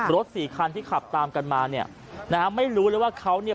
สี่คันที่ขับตามกันมาเนี่ยนะฮะไม่รู้เลยว่าเขาเนี่ย